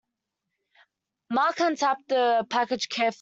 Mark untaped the package carefully.